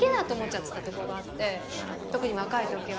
特に若い時は。